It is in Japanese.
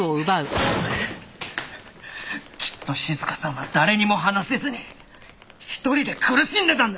きっと静香さんは誰にも話せずに一人で苦しんでたんだ。